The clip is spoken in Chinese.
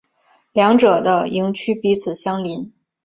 两者的营区彼此相邻。